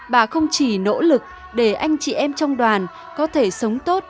bà không chỉ nỗ lực để anh chị em trong đoàn có thể sống tốt